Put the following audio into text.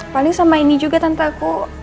paling sama ini juga tanpa aku